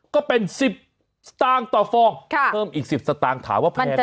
ก็เป็น๑๐สตางค์ต่อฟองเพิ่มอีก๑๐สตางค์ถามว่าแพงไหม